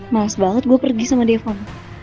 males banget gue pergi sama devon